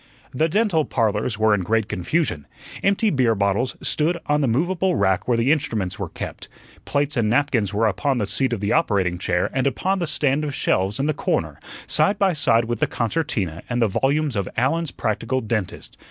The "Dental Parlors" were in great confusion. Empty beer bottles stood on the movable rack where the instruments were kept; plates and napkins were upon the seat of the operating chair and upon the stand of shelves in the corner, side by side with the concertina and the volumes of "Allen's Practical Dentist."